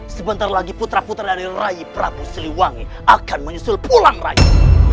sebentar lagi putra putra dari rai prabu siliwangi akan menyusul pulang rai